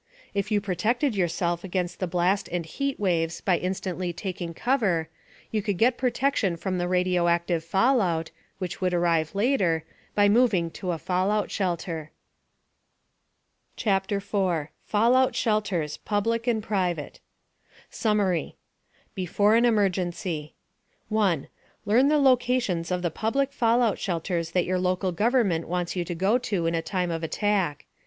If you protected yourself against the blast and heat waves by instantly taking cover, you could get protection from the radioactive fallout (which would arrive later) by moving to a fallout shelter. CHAPTER 4 FALLOUT SHELTERS, PUBLIC AND PRIVATE SUMMARY BEFORE AN EMERGENCY 1. Learn the locations of the public fallout shelters that your local government wants you to go to in a time of attack.